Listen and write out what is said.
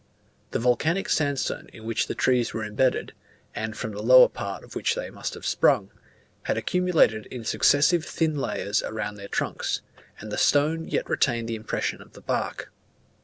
The volcanic sandstone in which the trees were embedded, and from the lower part of which they must have sprung, had accumulated in successive thin layers around their trunks; and the stone yet retained the impression of the bark.